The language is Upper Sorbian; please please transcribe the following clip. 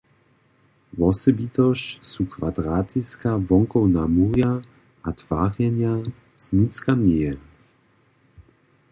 Wosebitosći su kwadratiska wonkowna murja a twarjenja znutřka njeje.